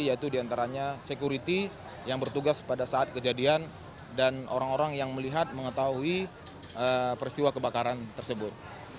yaitu diantaranya security yang bertugas pada saat kejadian dan orang orang yang melihat mengetahui peristiwa kebakaran tersebut